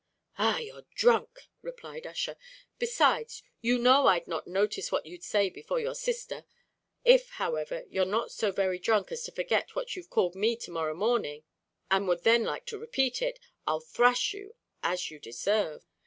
"Ah! you're drunk," replied Ussher, "besides, you know I'd not notice what you'd say before your sister; if, however, you're not so very drunk as to forget what you've called me to morrow morning, and would then like to repeat it, I'll thrash you as you deserve."